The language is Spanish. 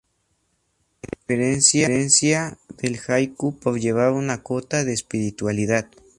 Y se diferencia del Haiku por llevar una cota de "espiritualidad".